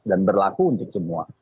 dan berlaku untuk semua